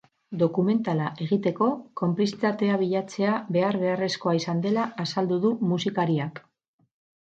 Dokumentala egiteko, konplizitatea bilatzea behar-beharrezkoa izan dela azaldu du musikariak.